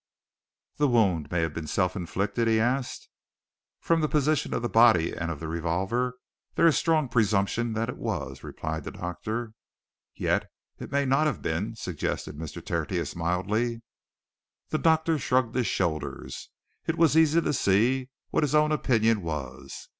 "The wound may have been self inflicted?" he asked. "From the position of the body, and of the revolver, there is strong presumption that it was," replied the doctor. "Yet it may not have been?" suggested Mr. Tertius, mildly. The doctor shrugged his shoulders. It was easy to see what his own opinion was.